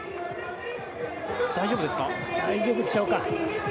大丈夫ですか？